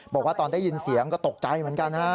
บอกว่าตอนได้ยินเสียงก็ตกใจเหมือนกันฮะ